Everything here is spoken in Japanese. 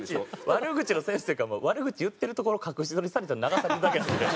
悪口のセンスというか悪口言ってるところ隠し撮りされてるの流されてるだけなんで。